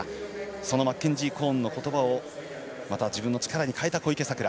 そのマッケンジー・コーンのことばをまた自分の力に変えた小池さくら。